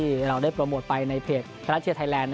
ที่เราได้โปรโมทไปในเพจรักเชียร์ไทยแลนด์